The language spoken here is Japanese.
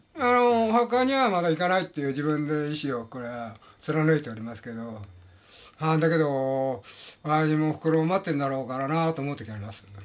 お墓にはまだ行かないっていう自分で意志をこれは貫いておりますけどだけどおやじもおふくろも待ってるんだろうからなと思う時ありますよ。